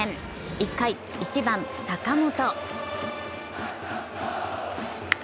１回、１番・坂本。